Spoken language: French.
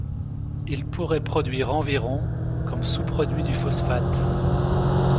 Ils pourraient produire environ comme sous-produits du phosphate.